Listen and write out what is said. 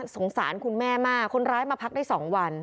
สงสารคุณแม่มากคนร้ายมาพักได้๒วัน